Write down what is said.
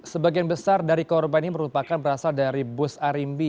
sebagian besar dari korban ini merupakan berasal dari bus arimbi